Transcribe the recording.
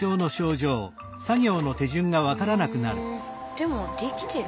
でもできてる。